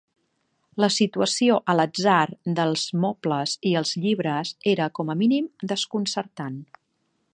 La situació a l'atzar dels mobles i els llibres era com a mínim desconcertant.